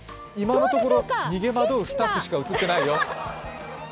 今のところ、逃げ惑うスタッフしか映ってないよ。